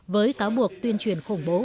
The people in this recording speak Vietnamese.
với cáo buộc tuyên truyền khủng bố